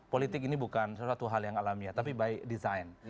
politik ini bukan sesuatu hal yang alamiah tapi by design